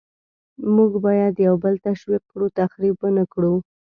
موږ باید یو بل تشویق کړو، تخریب ونکړو.